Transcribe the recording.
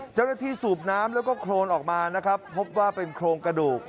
เจ้าหน้าที่สูบน้ำแล้วก็โคลนออกมาพบว่าเป็นโคลกกระดูก